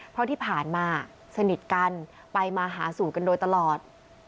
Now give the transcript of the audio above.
เพราะที่ผ่านมาสนิทกันไปมาหาสู่กันโดยตลอด